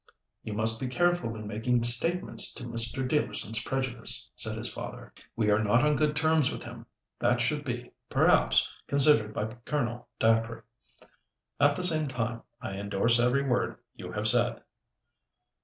"You must be careful in making statements to Mr. Dealerson's prejudice," said his father. "We are not on good terms with him. That should be, perhaps, considered by Colonel Dacre. At the same time, I endorse every word you have said."